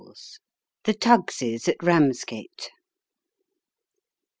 THE TUGOS'S AT BAMSGATE.